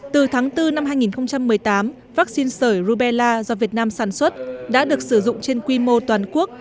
từ tháng bốn năm hai nghìn một mươi tám vaccine sởi rubella do việt nam sản xuất đã được sử dụng trên quy mô toàn quốc